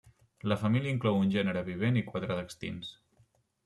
La família inclou un gènere vivent i quatre d'extints.